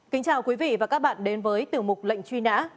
kính chào quý vị và các bạn đến với tiểu mục lệnh truy nã